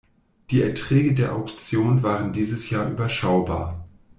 Die Erträge der Auktion waren dieses Jahr überschaubar.